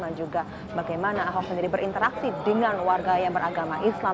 dan juga bagaimana ahok sendiri berinteraksi dengan warga yang beragama islam